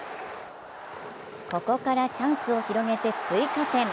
ここからチャンスを広げて追加点。